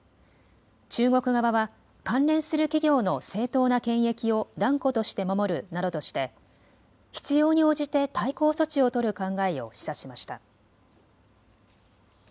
中国側は関連する企業の正当な権益を断固として守るなどとして必要に応じて対抗措置を取る考えを示唆しました。